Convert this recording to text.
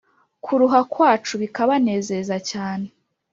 Kuruha kwacu bikabanezaza cyane